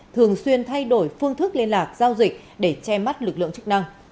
thường xuyên thay đổi phương thức liên lạc giao dịch để che mắt lực lượng chức năng